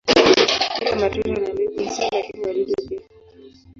Hula matunda na mbegu hasa lakini wadudu pia.